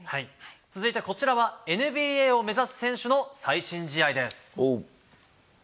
続いてこちらはＮＢＡを目指す選手の最新試合です。